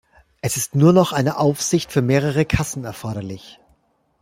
Es ist nur noch eine Aufsicht für mehrere Kassen erforderlich.